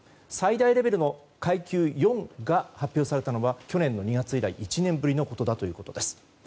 最大レベルの階級４が発表されたのは去年の２月以来１年ぶりのことだということです。